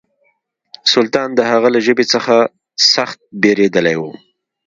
سلطان د هغه له ژبې څخه سخت بېرېدلی و.